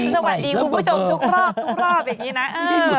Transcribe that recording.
สวัสดีคุณผู้ชมทุกรอบทุกรอบอย่างนี้นะ